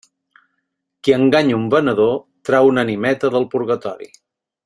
Qui enganya un venedor, trau una animeta del purgatori.